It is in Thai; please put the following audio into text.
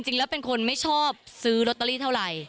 จริงแล้วเป็นคนไม่ชอบซื้อลอตเตอรี่เท่าไหร่